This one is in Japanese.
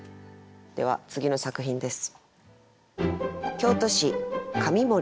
では次の作品です。